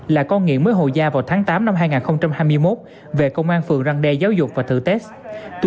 là con nghiện mới hồ gia vào tháng tám năm hai nghìn hai mươi một về công an phường răng đe giáo dục và thử test